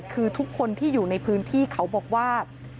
คือทุกคนที่อยู่ในพื้นที่เขาบอกว่า